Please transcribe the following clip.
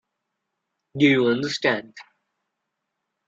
Do you understand?